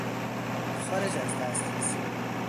خارج از دسترسی